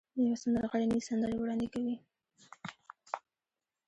يوه سندرغاړې نوې سندرې وړاندې کوي.